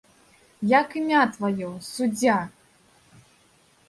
Як імя тваё, суддзя?